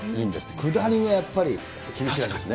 下りがやっぱり厳しいみたいですね。